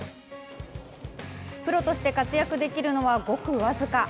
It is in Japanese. プロとして活躍できるのはごく僅か。